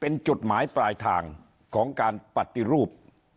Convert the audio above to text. เป็นจุดหมายปลายทางของการปฏิรูป